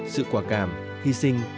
sự quả cảm hy sinh